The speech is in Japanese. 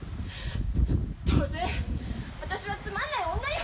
どうせ私はつまんない女よ！